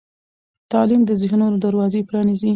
تعلیم د ذهنونو دروازې پرانیزي.